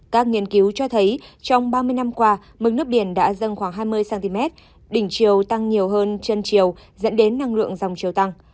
các nghiên cứu cho thấy trong ba mươi năm qua mực nước biển đã dâng khoảng hai mươi cm đỉnh chiều tăng nhiều hơn chân chiều dẫn đến năng lượng dòng chiều tăng